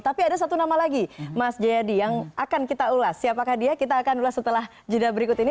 tapi ada satu nama lagi mas jayadi yang akan kita ulas siapakah dia kita akan ulas setelah jeda berikut ini